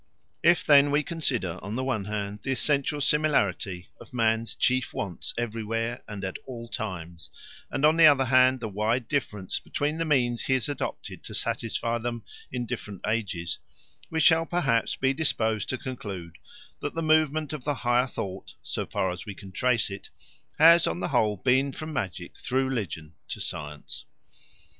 If then we consider, on the one hand, the essential similarity of man's chief wants everywhere and at all times, and on the other hand, the wide difference between the means he has adopted to satisfy them in different ages, we shall perhaps be disposed to conclude that the movement of the higher thought, so far as we can trace it, has on the whole been from magic through religion to science.